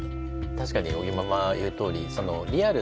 確かに尾木ママ言うとおりリアルなね